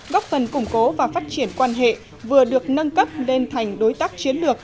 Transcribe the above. góp phần củng cố và phát triển quan hệ vừa được nâng cấp lên thành đối tác chiến lược